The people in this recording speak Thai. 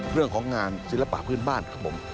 เรื่องของงานศิลปะพื้นบ้านครับผม